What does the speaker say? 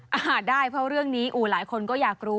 อาหารได้เพราะเรื่องนี้หลายคนก็อยากรู้